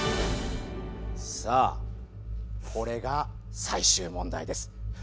さあこれが最終問題です。